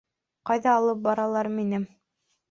Ҡайҙа алып баралар мине?